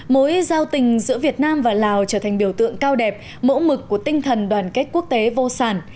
mối giao tình giữa việt nam và lào trở thành biểu tượng cao đẹp mẫu mực của tinh thần đoàn kết quốc tế vô sản